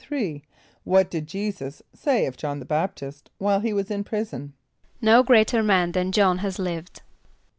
= What did J[=e]´[s+]us say of J[)o]hn the B[)a]p´t[)i]st while he was in prison? ="No greater man than J[)o]hn has lived."